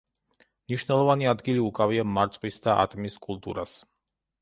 მნიშვნელოვანი ადგილი უკავია მარწყვის და ატმის კულტურას.